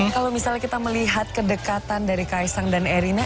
kalau misalnya kita melihat kedekatan dari kaisang dan erina